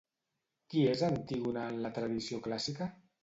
Qui és Antígona en la tradició clàssica?